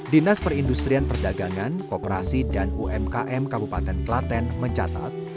dinas perindustrian perdagangan kooperasi dan umkm kabupaten klaten mencatat